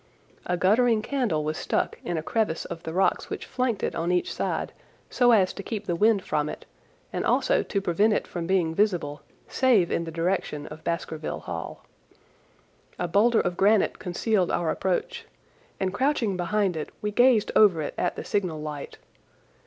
A guttering candle was stuck in a crevice of the rocks which flanked it on each side so as to keep the wind from it and also to prevent it from being visible, save in the direction of Baskerville Hall. A boulder of granite concealed our approach, and crouching behind it we gazed over it at the signal light.